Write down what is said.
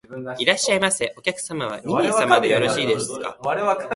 いらっしゃいませ。お客様は二名様でよろしいですか？